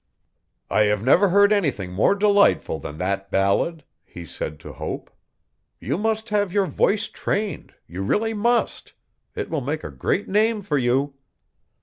'I have never heard anything more delightful than that ballad,' he said to Hope. 'You must have your voice trained you really must. It will make a great name for you.'